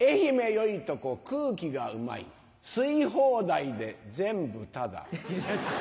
よいとこ空気がうまい吸い放題で全部タダ。